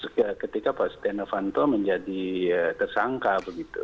ketika pak stiano fanto menjadi tersangka begitu